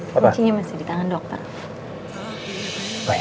kuncinya masih di tangan dokter